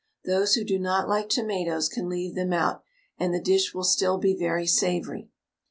Those who do not like tomatoes can leave them out, and the dish will still be very savoury.